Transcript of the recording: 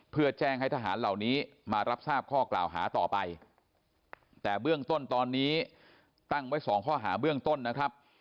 เพื่อแจ้งให้ทหารเหล่านี้มารับทราบข้อกล่าวหาต่อไปแต่เบื้องต้นตอนนี้ตั้งไว้สองข้อหาเบื้องต้นนะครับ